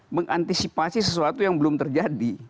mengantisipasi sesuatu yang belum terjadi